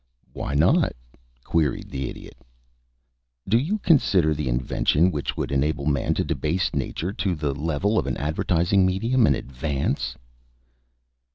"Why not?" queried the Idiot. "Do you consider the invention which would enable man to debase nature to the level of an advertising medium an advance?"